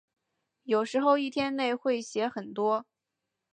有时候一天内会写很多。